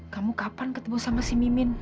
kamu kapan ketemu sama si min